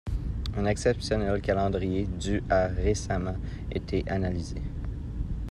Un exceptionnel calendrier du a récemment été analysé.